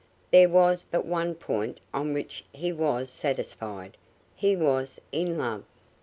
There was but one point on which he was satisfied: he was in love.